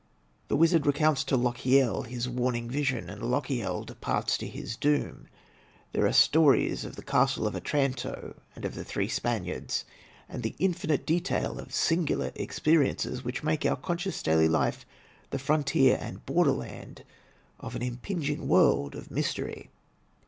The wizard recounts to Lochiel his warning vision, and Lochiel departs to his doom. There are stories of the Castle of Otranto and of the Three Spaniards, and the infinite detail of 'singular experi ences,' which make our conscious daily life the frontier and border land of an impinging world of mystery.